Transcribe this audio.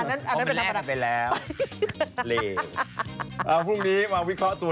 อะนั่นเป็นนักประดับ